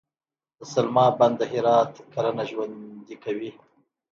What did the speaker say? د سلما بند د هرات کرنه ژوندي کوي